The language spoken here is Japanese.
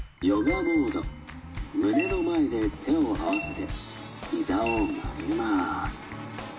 胸の前で手を合わせて膝を曲げます。